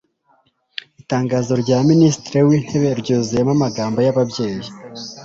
itangazo rya minisitiri w'intebe ryuzuyemo amagambo y'ababyeyi